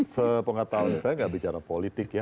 sepengat tahun saya tidak bicara politik ya